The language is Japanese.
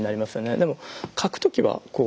でも書く時はこう。